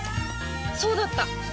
そうだった！